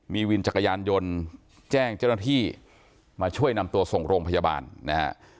มีวินจักรยานยนต์แจ้งเจ้าหน้าที่มาช่วยนำตัวส่งโรงพยาบาลนะฮะ